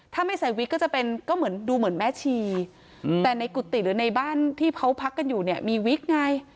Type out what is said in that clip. ถ้าไม่ใส่วิกก็จะเป็นก็เหมือนดูเหมือนแม่ชีแต่ในกุฏิหรือในบ้านที่เขาพักกันอยู่เนี่ยมีวิกไง